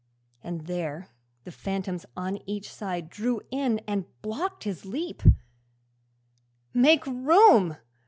'And there the phantoms on each side Drew in and blocked his leap; "Make room!